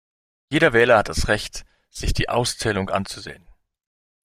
Jeder Wähler hat das Recht, sich die Auszählung anzusehen.